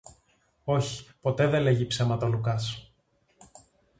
Όχι, ποτέ δε λέγει ψέματα ο Λουκάς.